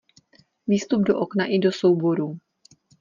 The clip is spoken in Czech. Výstup do okna i do souborů.